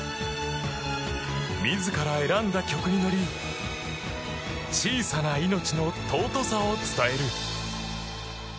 自ら選んだ曲に乗り小さな命の尊さを伝える。